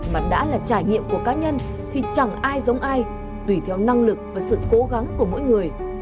mà đã là trải nghiệm của cá nhân thì chẳng ai giống ai tùy theo năng lực và sự cố gắng của mỗi người